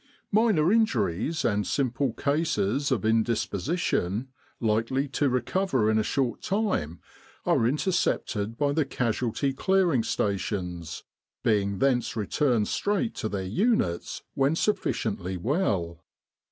Minor injuries and simple cases of indisposition likely to recover in a short time are intercepted by the Casualty Clearing Stations, being thence re turned straight to their units when sufficiently well.